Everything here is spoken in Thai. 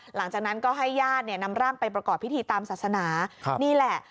หลังจากนั้นก็ให้ญาติเนี่ยนำร่างไปประกอบพิธีตามศาสนานี่แหละ